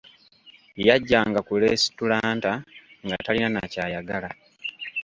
Yajjanga ku leesitulanta nga talina na kyayagala.